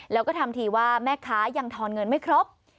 แล้วก็ทำทีว่าแม่ค้ายังทอนเงินไม่ครบ